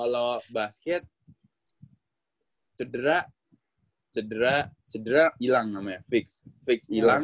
kalau basket cedera cedera cedera hilang namanya fix fix hilang